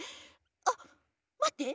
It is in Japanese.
あっまって！